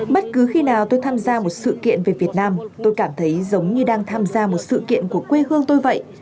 bất cứ khi nào tôi tham gia một sự kiện về việt nam tôi cảm thấy giống như đang tham gia một sự kiện của quê hương tôi vậy